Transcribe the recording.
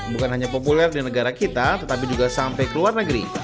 bukan hanya populer di negara kita tetapi juga sampai ke luar negeri